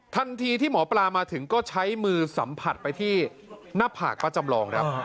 ทันทีที่หมอปลามาถึงก็ใช้มือสัมผัสไปที่หน้าผากป้าจำลองครับ